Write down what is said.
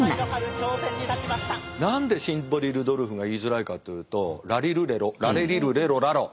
何でシンボリルドルフが言いづらいかというとラリルレロラレリルレロラロ。